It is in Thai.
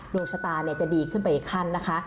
ดวงชะตาจะดีขึ้นไปอีกขั้นนะคะ